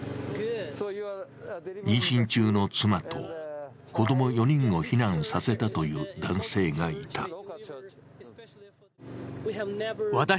妊娠中の妻と子供４人を避難させたという男性がいた。